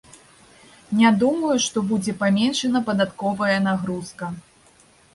Не думаю, што будзе паменшана падатковая нагрузка.